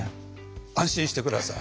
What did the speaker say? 安心して下さい。